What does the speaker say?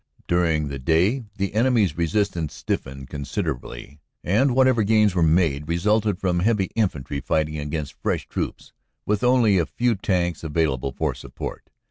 "During the day the enemy s resistance stiffened consider ably, and whatever gains were made resulted from heavy infantry righting against fresh troops, with only a few tanks available for support.